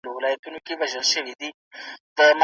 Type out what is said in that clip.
له بدبینۍ او کرکې څخه ډډه وکړئ.